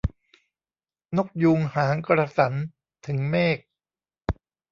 นกยูงหางกระสัน ถึงเมฆ